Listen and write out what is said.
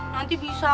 nanti bisa aja tuh